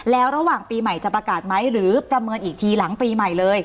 แล้วระหว่างปีใหม่จะประกาศไหมหรือประเมินอีกทีหลังปีใหม่เลย